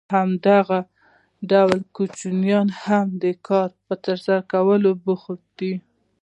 همدا ډول کوچنیان هم د کار په ترسره کولو بوخت دي